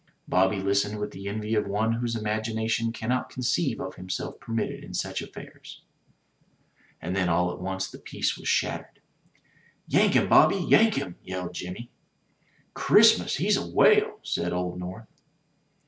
Bobby listened with the envy of one whose imagination cannot conceive of himself permitted in such affairs. And then all at once the peace was shattered. "Yank him, Bobby, yank him!" yelled Jimmy. "Christmas, he's a whale!" said old North.